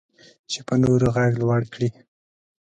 چې په نورو غږ لوړ کړي.